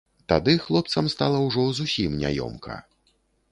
Тады хлопцам стала ўжо зусім няёмка.